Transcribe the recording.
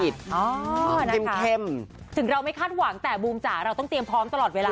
เต็มถึงเราไม่คาดหวังแต่บูมจ๋าเราต้องเตรียมพร้อมตลอดเวลา